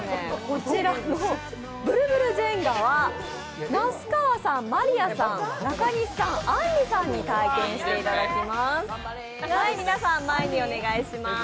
こちらのブルブルジェンガは那須川さん、牧野さん中西さん、あんりさんに対決してもらいます。